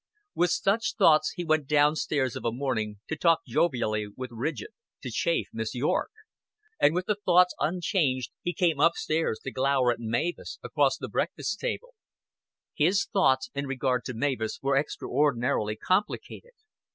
With such thoughts, he went down stairs of a morning to talk jovially with Ridgett, to chaff Miss Yorke; and with the thoughts unchanged he came up stairs to glower at Mavis across the breakfast table. His thoughts in regard to Mavis were extraordinarily complicated.